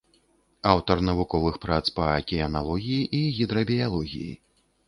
Аўтар навуковых прац па акіяналогіі і гідрабіялогіі.